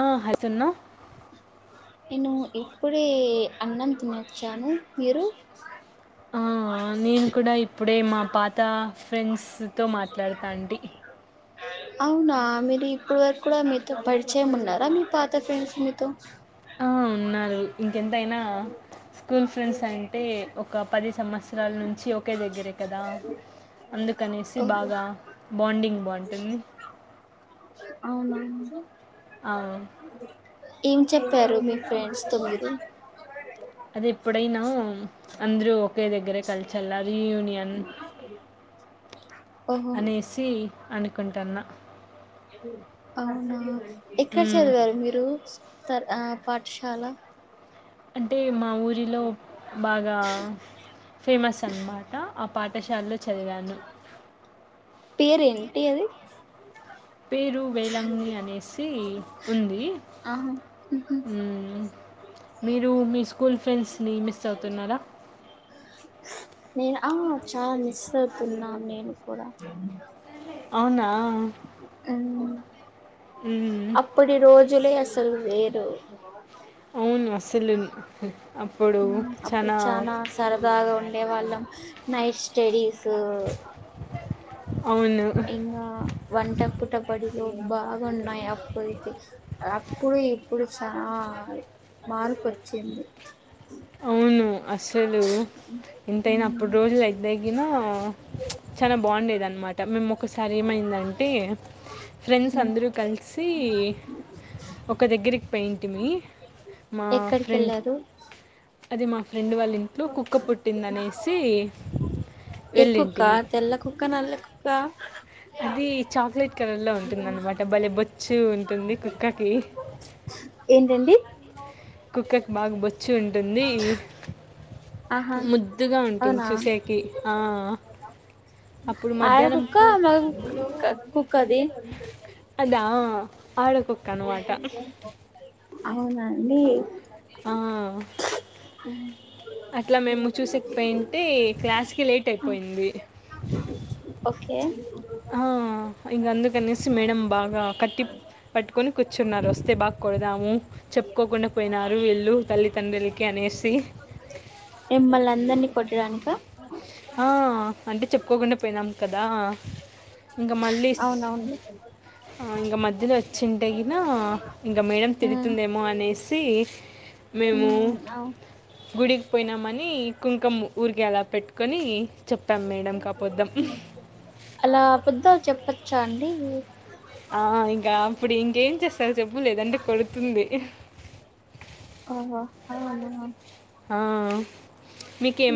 ఆ హస్తున్న నేను ఇప్పుడే అన్నం తినొచ్చాను మీరు ఆ నేను కూడా ఇప్పుడే మా పాత ఫ్రెండ్స్తో మాట్లాడతాన్టీ అవునా మీరు ఇప్పుడు వరకు కూడా మీతో పరిచయమున్నారా మీ పాత ఫ్రెండ్స్ మీతో ఆ ఉన్నారు ఇంకెంతైనా స్కూల్ ఫ్రెండ్స్ అంటే ఒక పది సంవత్సరం నాలు నుంచి ఓకె దగ్గరే కదా అందుకనేసి ఓహో బాగా బొంది ఎన్ని అవునా అవు ఏం చెప్పారు మీ ఫ్రెండ్స్ తొమ్మిది అది ఎప్పుడైనా అందరూ ఒకే దగ్గరే కల్చల్లని మీ అంద్ ఓహో అనేసి అనుకుంటన్నా అవునా ఎక్కడ హ్మ్. చదివారు మీరు తర్ ఆ పాఠశాల అంటే మా మా ఊరిలో బాగా ఫేమస్ అన్నమాట ఆపాట్ పేరు ఏంటి అది పేరు వేలాంగ్ని అనేసి ఉంది. ఆహా ఉహు హ్మ్ మీరు మీ స్కూల్ ఫ్రెండ్స్ని మిస్ అవుతున్నారా నేను ఆ చాలా మిస్ అవుతున్నాను నేను కూడా అవునా మ్మ్ మ్మ్. అప్పుడు రోజులు అస్ ఎవరు లేరు అవును అసలున్ అప్పుడు చానా సరదగా ఉం ఉండే వాళ్ళం నైట్ స్టడీస్ దో అవును ఇంకా వంట కూట పడిలో బాగున్నాయి అప్పుతే అప్పుడు ఇప్పుడు చాలా మార్ప్ వచ్చింది. అవును అసలు ఎంతైనా అప్పుడు రోజులు అయితే తగినా చాలా బాగుండేది అన్నమాట మేము ఒకసారి ఏమైందంటే ఫ్రెండ్స్ అందరూ కలిసి ఒక దగ్గరికి పోయింటిమి మా ఎక్కడికి ఫ్రండ్ వెళ్ళారు అది మాఫ ఫ్రెండ్ వాళ్ళ ఇంట్లో కుక్క పుట్టిందనేసి ఏ కుక్క వెళ్ళింటివి తెల్ల కుక్క నల్ల కుక్క అది చాక్లెట్ కలర్ లో ఉంటుందన్నమాట బలే బొచ్చు ఉంటుంది కుక్కకి ఏంటండి కుక్కకి బాగా బొచ్చు ఉంటుంది ఆహా ముద్దుగా ఉంటుంది అవునా చూసేకి ఆ అప్పుడు ఆడ మధ్యాహ్నం కుక్క పూ మగ కుక్క కుక్కది అదా ఆడకుక్కన్నమాట అవునండి ఆ అట్లా మేము చూసెక్ పోయింటి క్లాస్కిి లేట్ అయిపోయింది కే ఆ ఇంగ అందుకనేసి మేడం బాగా కట్టి పట్టుకొని కూర్చున్నారు వస్తే బాగా కొడుదాము చెప్పుకోకుండా పోయినారు వీళ్ళు తల్లిదండ్రులకి అనేసి మిమ్మల్ని అందరినీ కొట్టడానికా ఆ అంటే చెప్ కొకుండా పోయినాం కదా ఇంకా మళ్ళీ అవునవును ఇంగ మధ్యలో వచ్చింటే గినా మేడం ఉమ్ తిడుతుందేమో అనేసి సి మేము ఉమ్ అవు గుడి పోయినామని కుంకమ్ ఊరికే ఎలా పెట్టు కొనీ చెప్పాం మేడం కబద్దాం చ అండి ఇంకా అప్పుడు ఇంకేం చేస్తారు చెప్పు లేదంటే కొడుతుంది ఆహ అహ హ ఆ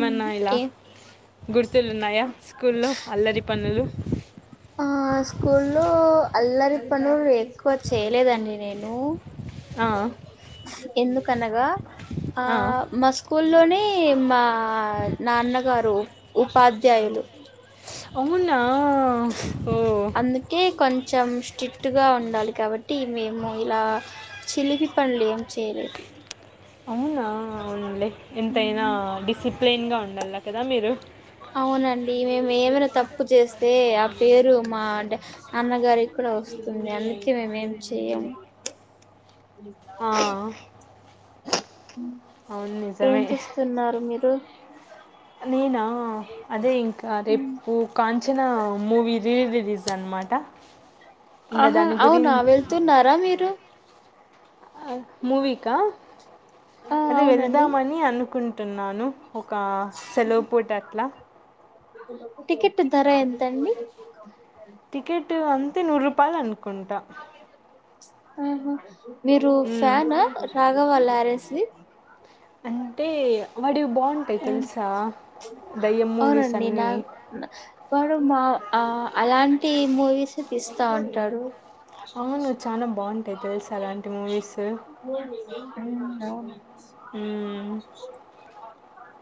ఉమ్, ఇలా ఏ గుర్తులు ఉన్నాయా స్కూల్లో అల్లరి పనులు ఆ స్కూల్లో అల్లరి పనుల్ క్కువ చేయలేదండి నేను ఆ, ఎందుకనగా ఆ మా స్కూల్లోనే ఏ మా ఆ నాన్నగారు ఉపాధ్ ద్యయులు అవున్నా ఓ అందుకే కొంచెం స్ట్రిక్ట్ గా ఉండాలి కాబట్టి మేము ఇలా చిలిపి పనులు ఏం చేయలేదు అవునా అవున్లే ఎంతైనా డిసిప్లిన్గా ఉండాల కదా మీరు అవునండి మేము ఏమైనా తప్పు చేస్తే, ఆ పేరు మా నాన్నగారికి కూడా వస్తుంది అందుకే మేమేం చెయము ఆ, అవును ఏం నిజమే చేస్తున్నారు మీరు అ నేన అదే ఇంకా రేపు కాంచనా మూవీ రి రిలీజ్ అన్నమాట ఆహా అవునా వెళ్తున్నారా మీరు మూవీకా ఆ అదే అవునండి వెళ్దామని అను కుంటున్నాను ఒక సెలవు పూట అట్లా టికెట్ ధర ఎంతండి టికెట్ అంతే నూరు రూపాయలు అనుకుంటా మ్ హు మీరు ఉమ్. ఫ్యాన్ రాగవాలా ఆరఎసి అంటే వాడి బాగుంటాయి తెలుసా దయ్యం మూవీస్ అన్నీ వారు మా ఆ అలాంటి మూవీస్ తీస్తా ఉంటాడు అవును చానా బాగుంటాయి తెలుసు అలాంటి మూవీస్ ఉమ్, అవును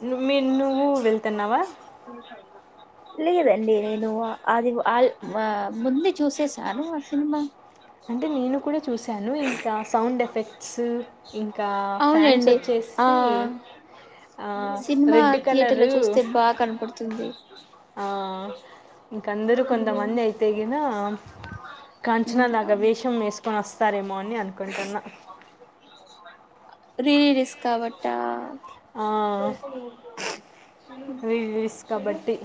ను మీ నువ్వు వెళ్తున్నావా? లేదండి నేను అది వాళ్ ఆ ముందు చూసేసాను ఆ సినిమా అంటే నేను కూడా చూసాను ఇంకా సౌండ్ ఎఫెక్ట్స్ ఇంకా ఫ్యాన్స్ అవునండి ఆ వచ్చేసి ఆ సినిమా రెడ్ థియేటర్ లో కలరు చూస్తే బాగా కనపడుతుంది ఆ ఇంకందరు కొంతమంది అయితే గిన కాంచనా ఉమ్ ఇగ అవును వేషం వేసుకొని వస్తారేమో అని అనుకుంటున్నా. రిలీస్ కాబట్ట ఆహ్ ఆహ్ రిలీస్ కాబట్టి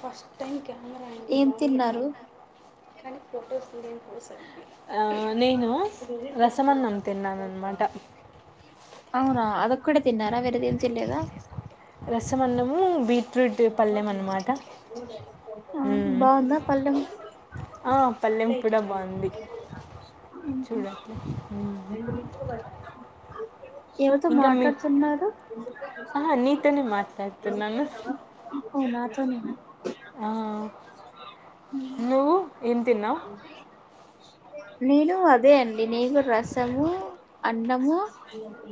ఫస్ట్ థంక్యూ ఏం తిన్నారు ఆ తిన్నాననమాట. అవునా అదకుడి తిన్నారా వేరదేం చెల్లేదా రసం అన్నము బీట్రూట్ పళ్ళెం అన్నమాట ఆ మ్మ్. బాగుందా పల్ం ఆ, చూడాట్లే ఎవరితో మాట్లాడుతున్నారు ఆహా, నీతోనే మాట్లాడుతున్నాను అవునా త నీకు ఆ నువ్వు ఏం తిన్నావ్ నీను అదే అండ్ డి నేను రసము అం న్నము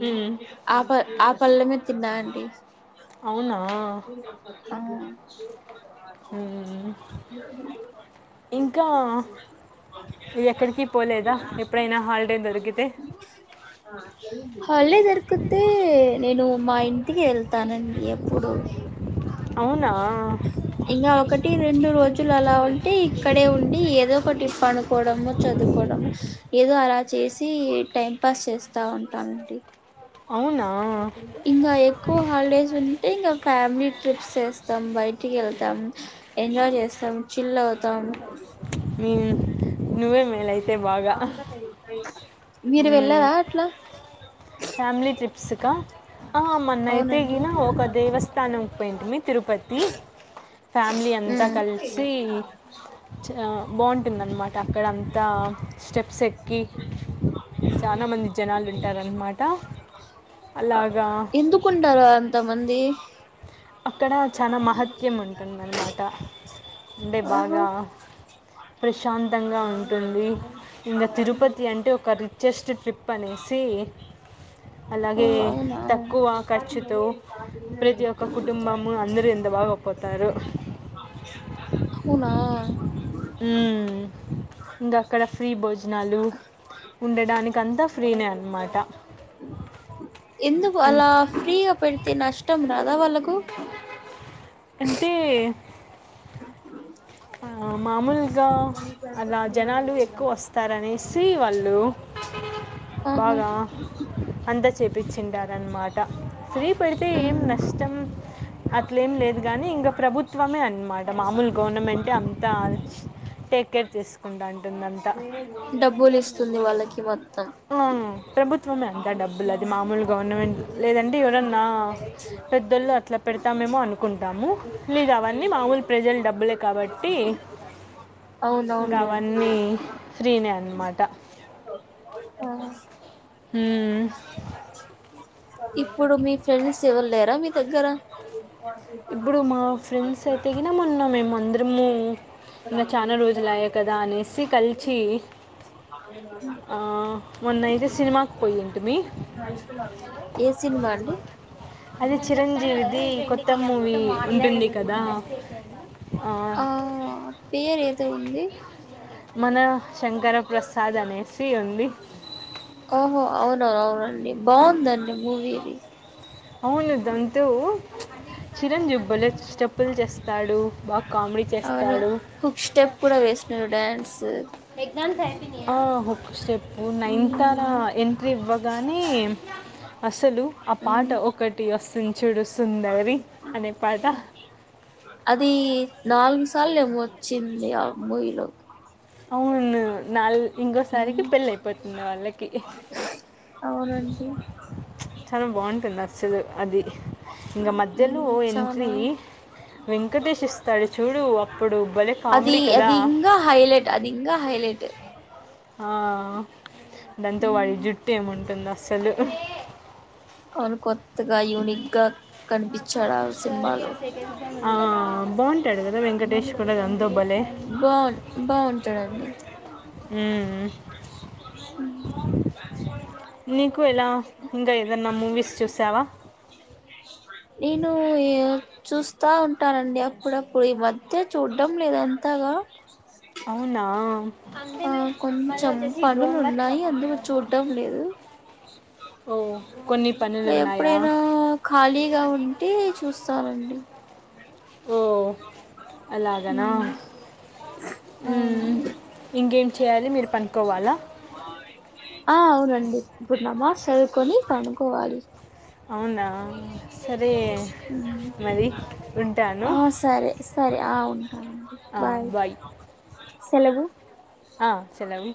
మ్మ్. ఆపర్ అప్ పళ్ళమే తిన్నా అండి అవునా అవున ఆహ్ మ్మ్. ఇంకా ఇది ఎక్కడికి పోలేదా ఎప్పుడైనా హాలిడే దొరికితే హాలిడే దొరూకుతే నేను మా ఇంట్ ఇంటికి వెళ్తానండి. ఎప్పుడు ఓ అవునా ఇంగా ఒకటి రెండు రోజులు అలా ఉంటే ఇక్కడే ఉండి. ఏదో ఒకటి ఫన్ కోవడము, చదువుకోవడము, ఏదో అలా చేసి టైం పాస్ చేస్త ఉంటానండి. అవునా ఇంగా ఎక్కువ హాలిడేస్ ఉంటే ఇంగా ఫ్యామిలీ ట్రిప్స్ ఎస్తాం, బయటికి వెళ్తాం, ఎంజాయ్ చేస్తాం, చిల్ అవుతాం. మీవే నువ్వే మేల అయితే బాగా. మీరు ఉహ్మ్ వెళ్ళరా అట్లా ఫ్యామిలీ ట్రిప్ ప్స్ స్కా ఆ అవునండి మన్నయితేఎనా ఒక దేవస్థానం పెయింట్మిర్ తిరుపతి ఫ్యామిలీ అంతా ఉమ్. కలిసి ఆ బాగుంటుందన్నమాట అక్కడ అంతా స్టెప్స్ ఎక్కి చాలా మంది జనాలు ఉంటారనమాట అలాగా ఎందుకుంటారు అంతమా మంది అక్కడ చాలా మహత్యం ఉంటుందన్నమాట. అంటే బాగా ఆహా ప్రశాంతంగా ఉంటుంది. ఇంగా తిరుపతి అంటే ఒక రిచెస్ట్ ట్రిప్ అనేసి ఓ అలాగే అవునా తక్కువ ఖర్చుతో ప్రతి ఒక్క కుటుంబము అందరు ఎంత బాగా పోతారు. అవునా హ్మ్ ఇంకా అక్కడ ఫ్రీ భోజనాలు ఉండడానికి అంతా ఫ్రీనే అనమాట ఎందుకు అన్ అలా ఫ్రీగా పెడితే నష్టం రాదా వాళ్ళకు అంటే ఆ మామూల్ ఇకా అలా జనాలు ఎక్కువ వస్తారనేసి వాళ్ళు ఆహా బాగా అంద చేపచ్చింటారనమాట ఫ్రీ పెడితే ఏం మ్మ్ నష్టం అట్ల ఏం లేదు గాని ఇంకా ప్రభుత్వమే అన్మాట మామూలు గవర్నమెంట్ టే అంత టేకేర్ తీసుకుంటాంటుందంత డబ్బులు ఇస్తుంది వాళ్ళకి మొత్తం ఆ ప్రభుత్వమే అంత డబ్బులు అది మామూలు గవర్నమెంట్ లేదంటే ఎవరన్నా పెద్దలు అట్లా పెడతామేమో అనుకుంటాము లేద అవన్నీ మామూలు ప్రజల డబ్బులే కాబట్టి ట్టి ఇంకా అవునవునులే అవన్నీ ఫ్రీనే అనమాట ఆ ఇప్పుడు మీ ఫ్రెండ్స్ ఎవరు లేరా మీ దగ్గర అది ఇప్పుడు మా ఫ్రెండ్స్ అయితే గిన మొన్న మేము అందరము ఇంకా చాలా రోజులు అయ్యాయి కదా అనేసి కలిసి మొన్న అయితే సినిమాకి పోయింటిమి ఏ సినిమా అండి అది చిరంజీవిది కొత్త మూవీ ఉంటుంది కదా ఆ పేరే ఏదో ఉంది మన శంకర ప్రసాద్ అనేసి ఉంది ఓహో అవునండి బావుదండి మూవీంది అవును దంతవు చిరంజిబ్బలు చెట్టేపులజెస్ అవును హుక్ స్టెప్ కూడా వేస్నావ్ డ్యాన్ స్ ఎగ్జామ్స్ అయిన ఆ హుక్ స్టెప్పు నైన్ తార ఉమ్ ఎంట్రీ ఇవ్వగానే అసలు ఆ పాట ఉమ్ ఒకటి వస్సుంది. చూడు సుందరి అనే పాట అది నాలుగు సార్లు ఏమో వచ్చింది ఆ మూవీలోకి అవును నల్ మ్మ్ అవును అండి చాలా బాగుంటుంది అసలు అది ఇంగ మధ్యలో ఉమ్ ఎంట్రీ చానా వెంకటేష్ ఇస్తాడు చూడు అప్పుడు భలేె అది కామెడీ కదా, అ ఆ ఆ దాంతో వాడి ఉమ్ జుట్టు ఏముంటుంది అసలు ఏ అను కొంత్తగా యూనిగ్గా ఆ వును బోన్ టాడుగదా ఉమ్ వెంకటేశ్వర రాందోబలే [unintelligible] హు నీకు ఎలా ఇంకా ఏదన్నా మూవీస్ చూసావా నీనుయా చూస్తా ఉంటానండి అప్పుడప్పుడు ఈ మధ్య చూడం లేదు అంతగా అవునా ఆ కొంచం పనులు ఉన్నాయి అందుకు చూడం లేదు ఓ కొన్ని పనులు ఉన్నాయా రేప్పుడైనా ఖాళీగా ఉంటే చూస్ అవండి ఓ హు అలాగనా హు మ్మ్. ఇంకేం చేయాలి మీరు పనుకోవాలా ఆ అవునండి ఇప్పుడు నమాజ్ సదువుకొని పండుకోవాలి అవునా సరే ఉమ్. మరి వుంటాను ఆ సరే సరే ఆ ఉంటానండి ఆ బాయ్ సెలవు ఆ సెలవు